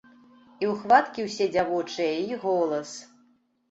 І ўхваткі ўсе дзявочыя, й голас.